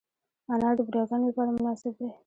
انار د بوډاګانو لپاره مناسب دی.